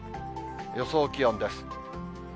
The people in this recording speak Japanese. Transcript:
予想気温です。